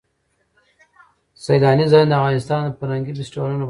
سیلانی ځایونه د افغانستان د فرهنګي فستیوالونو برخه ده.